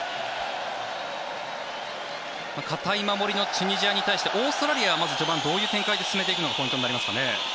堅い守りのチュニジアに対してオーストラリアはまず序盤、どういう展開で進めていくのがポイントになりますかね。